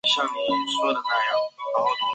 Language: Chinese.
黄长筒石蒜是石蒜科石蒜属的变种。